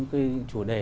cái chủ đề